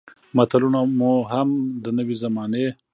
متلونه مو هم د نوې زمانې